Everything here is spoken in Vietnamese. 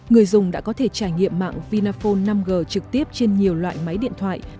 người dùng đã có thể trải nghiệm mạng vinaphone năm g trực tiếp trên nhiều loại máy điện thoại